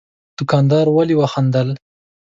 دوکاندار ولي وخندل؟